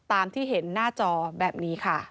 ตามที่เห็นหน้าจอแบบนี้ค่ะ